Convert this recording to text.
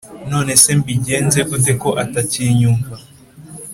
Nonese mbigenze gute ko atakinyumva